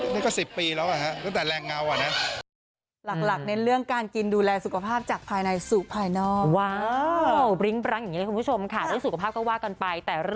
นี่ก็๑๐ปีแล้วตั้งแต่แรงเงาอะนะ